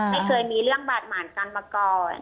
ไม่เคยมีเรื่องบาดหมานกันมาก่อน